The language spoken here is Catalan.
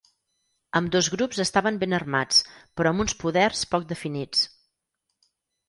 Ambdós grups estaven ben armats, però amb uns poders poc definits.